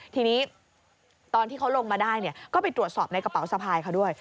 ทีนี้ตอนที่เขาลงมาได้ก็ไปตรวจสอบในกระเป๋าสะพายเขาด้วย